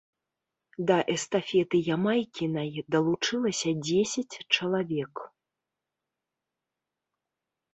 Да эстафеты Ямайкінай далучылася дзесяць чалавек.